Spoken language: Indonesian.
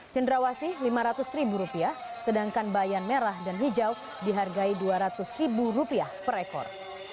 cendrawasi rp lima ratus ribu rupiah sedangkan bayan merah dan hijau dihargai dua ratus ribu rupiah per ekor